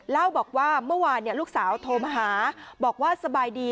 เล่าบอกว่าเมื่อวานลูกสาวโทรมาหาบอกว่าสบายดี